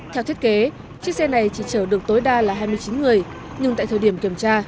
theo thiết kế chiếc xe này chỉ chở được tối đa là hai mươi chín người nhưng tại thời điểm kiểm tra